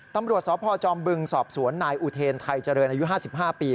ตำรวจสพจอมบึงสอบสวนนายอุเทรไทยเจริญอายุ๕๕ปี